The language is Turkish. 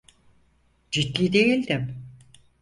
Ciddi değildim.